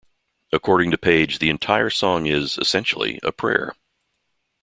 According to Page the entire song is, essentially, a prayer.